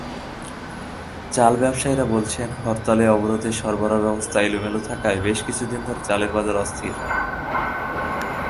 চাল ব্যবসায়ীরা বলছেন, হরতাল-অবরোধে সরবরাহব্যবস্থা এলোমেলো থাকায় বেশ কিছুদিন ধরে চালের বাজার অস্থির।